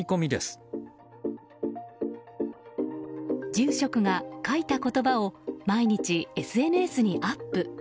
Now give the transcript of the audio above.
住職が書いた言葉を毎日ＳＮＳにアップ。